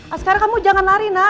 ascara kamu jangan lari nak